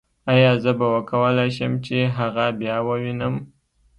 ایا زه به وکولای شم چې هغه بیا ووینم